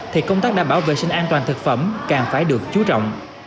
thì công tác đảm bảo vệ sinh an toàn thực phẩm càng phải được chú trọng